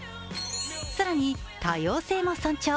更に、多様性も尊重。